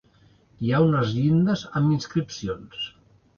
Hi ha unes llindes amb inscripcions.